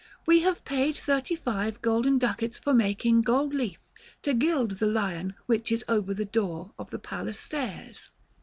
We have paid thirty five golden ducats for making gold leaf, to gild the lion which is over the door of the palace stairs."